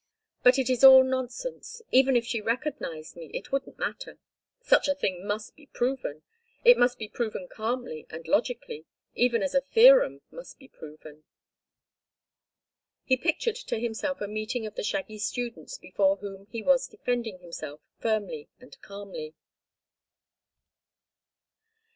"But it is all nonsense. Even if she recognised me it wouldn't matter. Such a thing must be proven. It must be proven calmly and logically, even as a theorem must be proven." He pictured to himself a meeting of the shaggy students, before whom he was defending himself firmly and calmly.